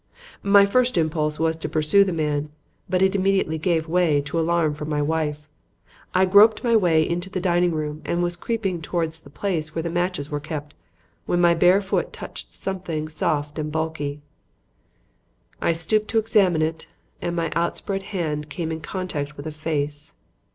"My first impulse was to pursue the man, but it immediately gave way to alarm for my wife. I groped my way into the dining room and was creeping towards the place where the matches were kept when my bare foot touched something soft and bulky. I stooped to examine it and my outspread hand came in contact with a face.